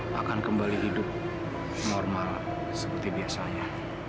kita akan kembali hidup normal seperti biasanya